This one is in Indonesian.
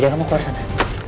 jangan mau keluar sana